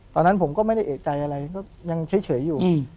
ตอนนั้นผมก็ไม่ได้เอกใจอะไรก็ยังเฉยอยู่